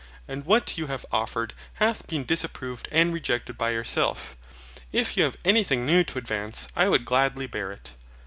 And what you have offered hath been disapproved and rejected by yourself. If you have anything new to advance I would gladly bear it.